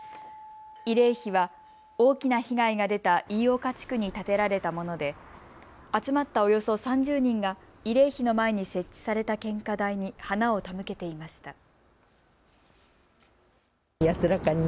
慰霊碑は大きな被害が出た飯岡地区に建てられたもので集まったおよそ３０人が慰霊碑の前に設置された献花台に花を手向けていました。